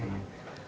sampai jumpa lagi